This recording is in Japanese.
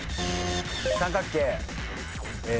三角形え。